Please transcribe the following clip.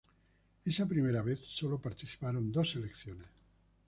Esa primera vez sólo participaron dos selecciones.